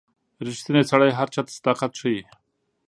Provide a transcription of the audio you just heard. • ریښتینی سړی هر چاته صداقت ښيي.